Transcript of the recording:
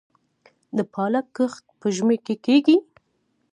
د پالک کښت په ژمي کې کیږي؟